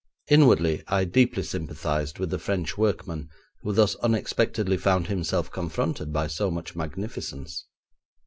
Inwardly I deeply sympathised with the French workman who thus unexpectedly found himself confronted by so much magnificence.